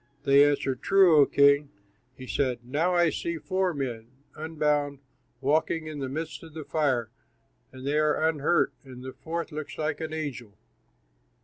They answered, "True, O king." He said, "Now I see four men, unbound, walking in the midst of the fire, and they are unhurt, and the fourth looks like an angel."